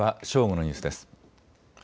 正午のニュースです。